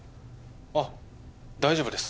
あっ大丈夫です